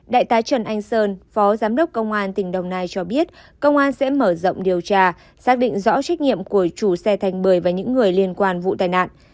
đại tá trần anh sơn phó giám đốc công an tỉnh đồng nai cho biết công an sẽ mở rộng điều tra xác định rõ trách nhiệm của chủ xe thành bưởi và những người liên quan vụ tai nạn